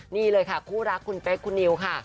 นี่เลยค่ะคู่รักคุณเป๊กคุณนิวค่ะ